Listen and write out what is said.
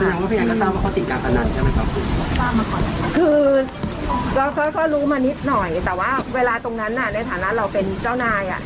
แสดงว่าพี่ยังก็ทราบว่าเขาติดกับกันนั้นใช่ไหมครับคือก็ก็ก็รู้มานิดหน่อยแต่ว่าเวลาตรงนั้นน่ะในฐานะเราเป็นเจ้านายอ่ะ